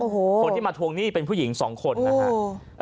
คนที่มาทวงหนี้เป็นผู้หญิง๒คนนะฮะ